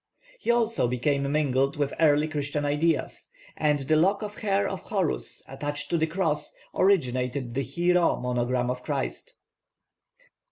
He also became mingled with early Christian ideas; and the lock of hair of Horus attached to the cross originated the chi rho monogram of Christ.